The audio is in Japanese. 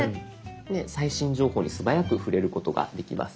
最新情報に素早く触れることができます。